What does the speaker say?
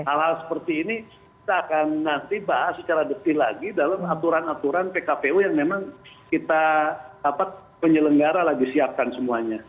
hal hal seperti ini kita akan nanti bahas secara detil lagi dalam aturan aturan pkpu yang memang kita dapat penyelenggara lagi siapkan semuanya